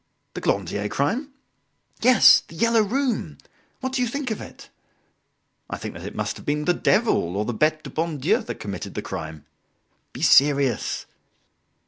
"The Glandier crime?" "Yes; "The Yellow Room"! What do you think of it?" "I think that it must have been the Devil or the Bete du Bon Dieu that committed the crime." "Be serious!"